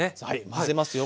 混ぜますよ。